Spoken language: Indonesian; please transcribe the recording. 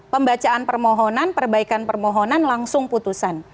pembacaan permohonan perbaikan permohonan langsung putusan